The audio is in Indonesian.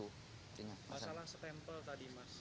masalah stempel tadi mas